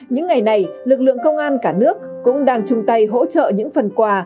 những ngày này lực lượng công an cả nước cũng đang chung tay hỗ trợ những phần quà